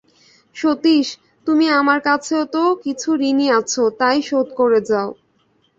সতীশ, তুমি আমার কাছেও তো কিছু ঋণী আছ, তাই শোধ করে যাও।